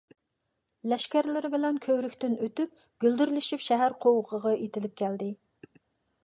لەشكەرلىرى بىلەن كۆۋرۈكتىن ئۆتۈپ، گۈلدۈرلىشىپ شەھەر قوۋۇقىغا ئېتىلىپ كەلدى.